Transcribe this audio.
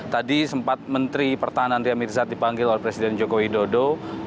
tadi sempat menteri pertahanan ria mirza dipanggil oleh presiden joko widodo